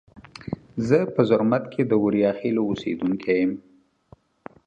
زه په زرمت کې د اوریاخیلو اوسیدونکي یم.